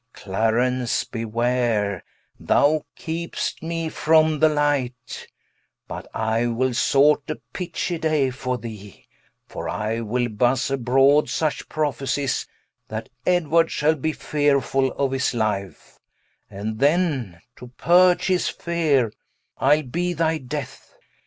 Clarence beware, thou keept'st me from the Light, But I will sort a pitchy day for thee: For I will buzze abroad such Prophesies, That Edward shall be fearefull of his life, And then to purge his feare, Ile be thy death.